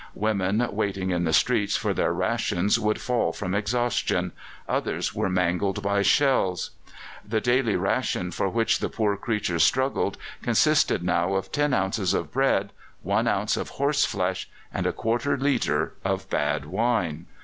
Women waiting in the streets for their rations would fall from exhaustion; others were mangled by shells. The daily ration for which the poor creatures struggled consisted now of 10 ounces of bread, 1 ounce of horse flesh, and a quarter litre of bad wine.